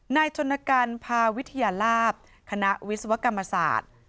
นายชนกันพาวิทยาลาภคณะวิศวกรรมศาสตร์